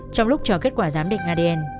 trong lúc chờ kết quả giám định adn